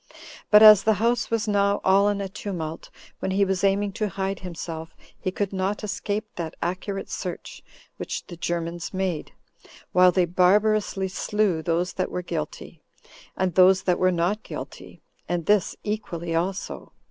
But as the house was now all in a tumult, when he was aiming to hide himself, he could not escape that accurate search which the Germans made, while they barbarously slew those that were guilty, and those that were not guilty, and this equally also.